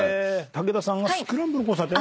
武田さんがスクランブル交差点？